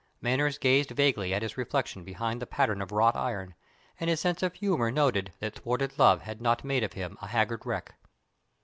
Manners gazed vaguely at his reflection behind the pattern of wrought iron, and his sense of humour noted that thwarted love had not made of him a haggard wreck.